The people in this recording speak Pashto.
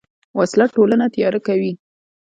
وسله ټولنه تیاره کوي